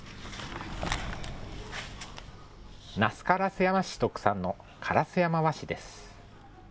那須烏山市特産の烏山和紙です。